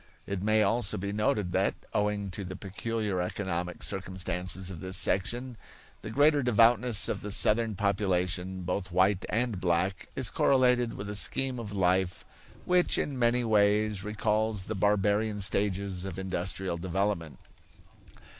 It may also be noted that, owing to the peculiar economic circumstances of this section, the greater devoutness of the Southern population, both white and black, is correlated with a scheme of life which in many ways recalls the barbarian stages of industrial development.